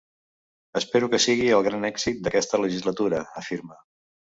“Espero que sigui el gran èxit d’aquesta legislatura”, afirma.